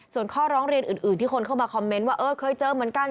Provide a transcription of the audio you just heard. ส่วนข้อร้องเรียนอื่นที่คนเข้ามาคอมเมนต์ว่าเออเคยเจอเหมือนกัน